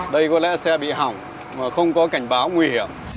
đây có lẽ xe bị hỏng mà không có cảnh báo nguy hiểm